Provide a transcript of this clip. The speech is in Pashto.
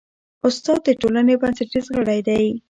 استاد د ټولنې بنسټیز غړی دی.